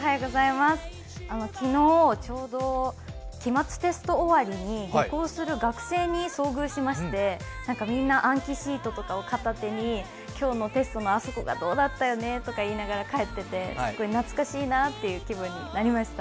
昨日ちょうど期末テスト終わりに旅行する学生に遭遇しましてみんな暗記シートとかを片手に、今日のテストのあそこがどうだったよねとか帰っていて、帰っていて、すごく懐かしいなという気分になりました。